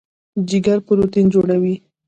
جګر پروټین جوړوي.